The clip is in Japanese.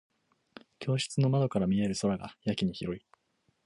教室の窓から見える空がやけに広い。